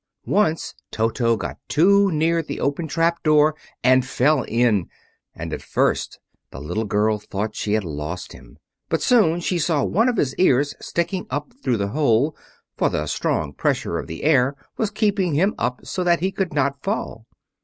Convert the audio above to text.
Once Toto got too near the open trap door, and fell in; and at first the little girl thought she had lost him. But soon she saw one of his ears sticking up through the hole, for the strong pressure of the air was keeping him up so that he could not fall.